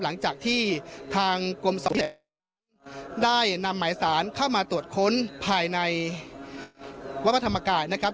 หลังจากที่ทางกรมสอบสวนได้นำหมายสารเข้ามาตรวจค้นภายในวัดพระธรรมกายนะครับ